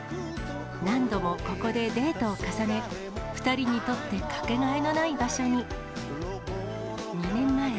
何度もここでデートを重ね、２人にとって掛けがえのない場所に。